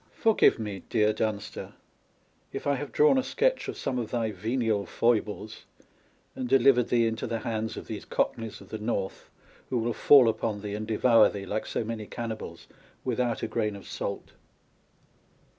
Forgive me, dear Dunster, if I have drawn a sketch of some of thy venial foibles, and delivered thee into the hands of these Cockneys of the North, who will fall upon thee and devour thee, like so many cannibals, without a grain of salt